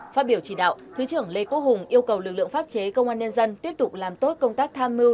phát biểu chỉ đạo thứ trưởng lê quốc hùng yêu cầu lực lượng pháp chế công an nhân dân tiếp tục làm tốt công tác tham mưu